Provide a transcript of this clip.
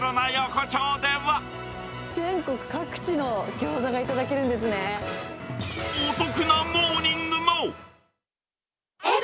全国各地のギョーザが頂けるお得なモーニングも。